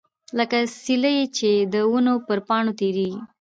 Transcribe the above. لکه سیلۍ چې د ونو پر پاڼو تیریږي.